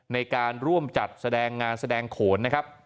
ในการร่วมจัดแสดงงานแสดงโขนนะครับ